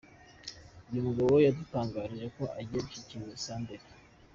Uyu mugabo yadutangarije ko ajyiye gushyikiriza Senderi.